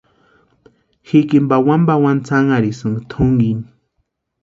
Jikini pawani pawani tsanharhisïnka tʼunkini.